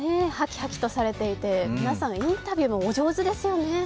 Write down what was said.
ハキハキとされていて、皆さん、インタビューもお上手ですよね。